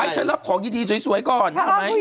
ชัยรับของทีสุดสวยก่อน